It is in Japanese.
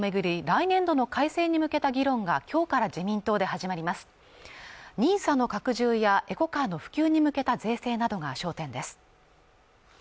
来年度の改正に向けた議論がきょうから自民党で始まりますＮＩＳＡの拡充やエコカーの普及に向けた税制などが焦点です